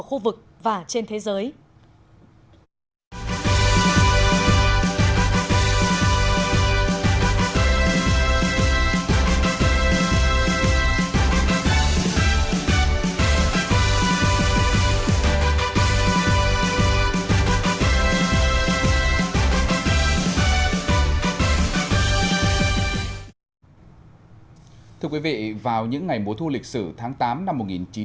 thưa quý vị vào những ngày mùa thu lịch sử tháng tám năm một nghìn chín trăm bốn mươi năm